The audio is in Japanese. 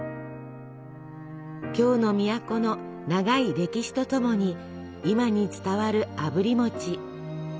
京の都の長い歴史とともに今に伝わるあぶり餅。